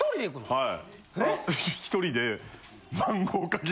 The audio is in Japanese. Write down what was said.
はい。